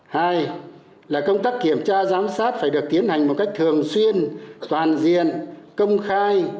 hai là công tác kiểm tra giám sát phải được tiến hành một cách thường xuyên toàn diện công khai